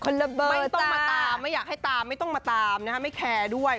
ระเบิดไม่ต้องมาตามไม่อยากให้ตามไม่ต้องมาตามนะฮะไม่แคร์ด้วย